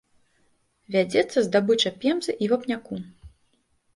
Вядзецца здабыча пемзы і вапняку.